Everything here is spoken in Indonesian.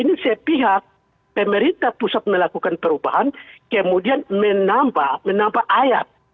ini sepihak pemerintah pusat melakukan perubahan kemudian menambah ayat